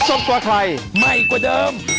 โอเค